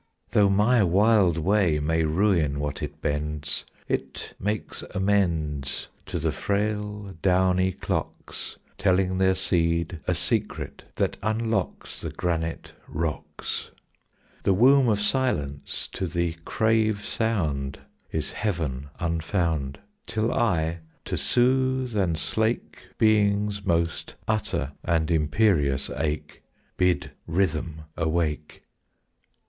"Though my wild way may ruin what it bends, It makes amends To the frail downy clocks, Telling their seed a secret that unlocks The granite rocks. "The womb of silence to the crave sound Is heaven unfound, Till I, to soothe and slake Being's most utter and imperious ache, Bid rhythm awake.